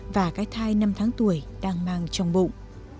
và cái thai năm tháng tuổi đang mang trong bụng